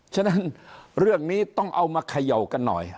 ฉะนั้นเรื่องนี้ต้องเอามาเขย่ากันหน่อย